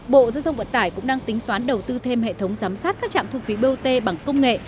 bộ giao thông vận tải cũng đang tính toán đầu tư thêm hệ thống giám sát các trạm thu phí bot bằng công nghệ